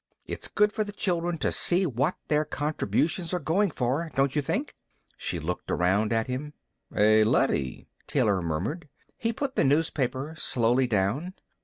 It's good for the children to see what their contributions are going for, don't you think?" She looked around at him. "A leady," Taylor murmured. He put the newspaper slowly down.